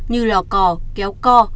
như lò cò kéo co